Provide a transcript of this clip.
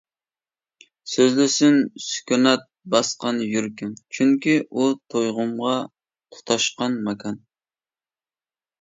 سۆزلىسۇن سۈكۈنات باسقان يۈرىكىڭ، چۈنكى ئۇ تۇيغۇمغا تۇتاشقان ماكان.